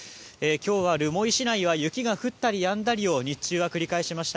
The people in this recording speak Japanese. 今日は留萌市内は雪が降ったりやんだりを日中は繰り返しました。